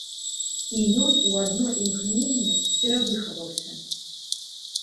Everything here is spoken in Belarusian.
І ён у адно імгненне перавыхаваўся.